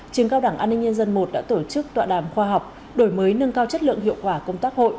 trường cao đảng an ninh nhân dân i đã tổ chức tọa đàm khoa học đổi mới nâng cao chất lượng hiệu quả công tác hội